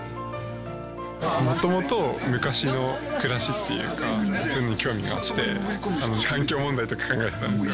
もともと、昔の暮らしっていうか、そういうのに興味があって、環境問題とか考えてたんですよ。